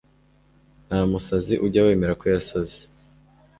ntamusazi ujya wemera ko yasaze